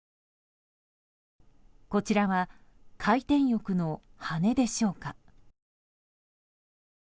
こちらは回転翼の羽でしょうか。